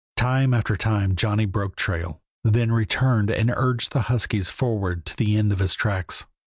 Time after time Johnny broke trail, then returned and urged the huskies forward to the end of his tracks.